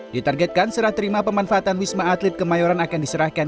ditargetkan serah terima pemanfaatan wisma atlet kemayoran akan diserahkan